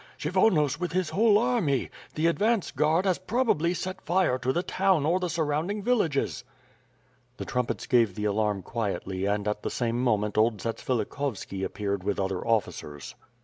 Kshyvonos with his whole army. The advance guard has probably set fire to the town or the surrounding villages." The trumpets gave the alarm quietly and at the same mo ment old Zatsvilikhovski appeared with other officers.